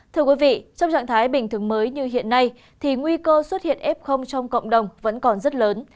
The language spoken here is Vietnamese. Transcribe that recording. thưa quý vị trong trạng thái bình thường mới như hiện nay thì nguy cơ xuất hiện f trong cộng đồng vẫn còn rất lớn